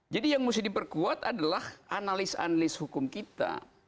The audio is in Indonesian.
yang mesti diperkuat adalah analis analis hukum kita